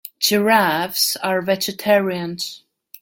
Giraffes are vegetarians.